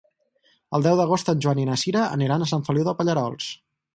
El deu d'agost en Joan i na Sira aniran a Sant Feliu de Pallerols.